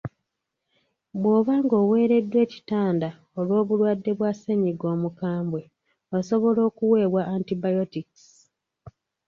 Bw’oba ng’oweereddwa ekitanda olw’obulwadde bwa ssennyiga omukambwe, osobola okuweebwa antibiotics.